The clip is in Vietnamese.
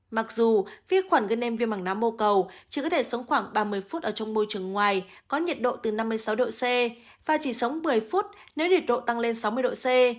mặc dù vi khuẩn gây nem viêm mảng não mô cầu chỉ có thể sống khoảng ba mươi phút ở trong môi trường ngoài có nhiệt độ từ năm mươi sáu độ c và chỉ sống một mươi phút nếu nhiệt độ tăng lên sáu mươi độ c